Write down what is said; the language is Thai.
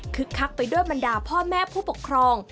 คักไปด้วยบรรดาพ่อแม่ผู้ปกครอง